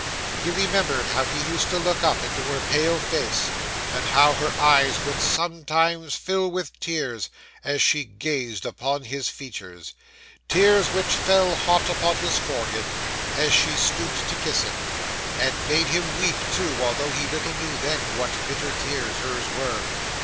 He remembered how he used to look up into her pale face; and how her eyes would sometimes fill with tears as she gazed upon his features tears which fell hot upon his forehead as she stooped to kiss him, and made him weep too, although he little knew then what bitter tears hers were.